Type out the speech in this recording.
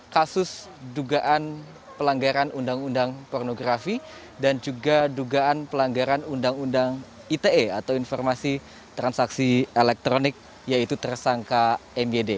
kasus dugaan pelanggaran undang undang pornografi dan juga dugaan pelanggaran undang undang ite atau informasi transaksi elektronik yaitu tersangka myd